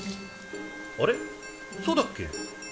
あれそうだっけ？